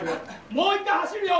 もう一回走るよ！